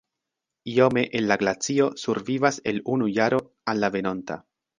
Iome el la glacio survivas el unu jaro al la venonta.